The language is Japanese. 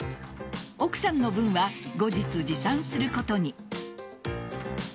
奥さんの分は後日、持参することに。